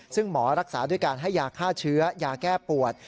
ซึ่งหมอรักษาด้วยการให้ยาฆ่าเชื้อยาแก้ปวด